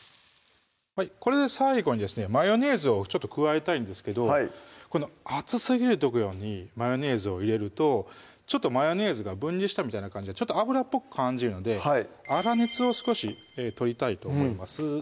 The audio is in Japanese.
これで最後にですねマヨネーズをちょっと加えたいんですけどこの熱すぎるところにマヨネーズを入れるとちょっとマヨネーズが分離したみたいな感じでちょっと油っぽく感じるので粗熱を少しとりたいと思います